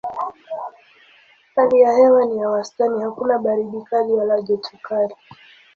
Hali ya hewa ni ya wastani hakuna baridi kali wala joto kali.